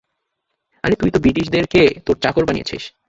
আরে তুই তো ব্রিটিশদের কে, তোর চাকর বানিয়েছিস।